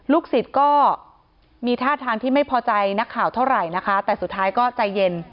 สิทธิ์ก็มีท่าทางที่ไม่พอใจนักข่าวเท่าไหร่นะคะแต่สุดท้ายก็ใจเย็น